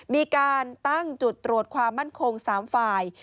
มีการตั้งจุดตรวจความมั่นคง๓ฝ่าย